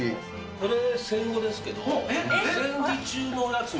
これ、戦後ですけど、戦時中のやつも。